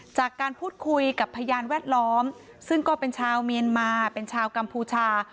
จากการพูดคุยกับพยานแวดล้อมซึ่งก็เป็นชาวเมียนมาเป็นชาวกัมพูชา